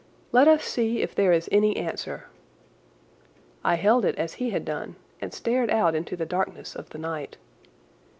"Let us see if there is any answer." I held it as he had done, and stared out into the darkness of the night.